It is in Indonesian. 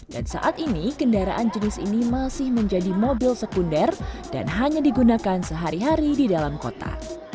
dan saat ini kendaraan jenis ini masih menjadi mobil sekunder dan hanya digunakan sehari hari di dalam kota